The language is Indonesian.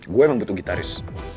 gue emang butuh gitaris